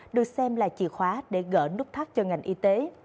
được xem là chìa khóa để gỡ nút thắt cho ngành y tế